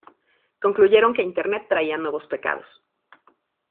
concluyeron que Internet traía nuevos pecados